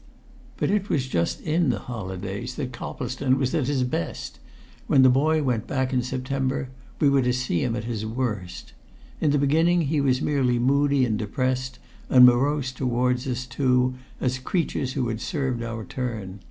But it was just in the holidays that Coplestone was at his best; when the boy went back in September, we were to see him at his worst. In the beginning he was merely moody and depressed, and morose towards us two as creatures who had served our turn.